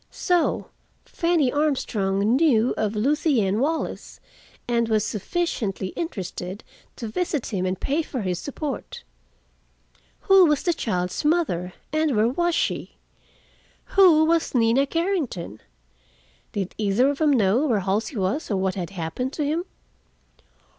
So Fanny Armstrong knew of Lucien Wallace, and was sufficiently interested to visit him and pay for his support. Who was the child's mother and where was she? Who was Nina Carrington? Did either of them know where Halsey was or what had happened to him?